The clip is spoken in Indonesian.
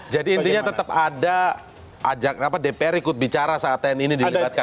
jadi intinya tetap ada dpr ikut bicara saat tni ini dilibatkan